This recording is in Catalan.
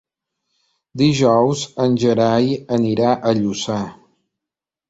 Dijous en Gerai anirà a Lluçà.